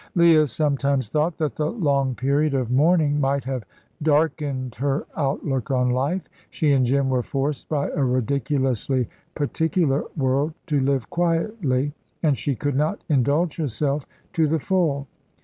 Leah sometimes thought that the long period of mourning might have darkened her outlook on life. She and Jim were forced by a ridiculously particular world to live quietly, and she could not indulge herself to the full.